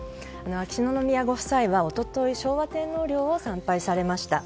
秋篠宮ご夫妻は一昨日、昭和天皇陵を参拝されました。